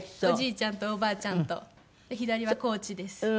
おじいちゃんとおばあちゃんとで左はコーチです。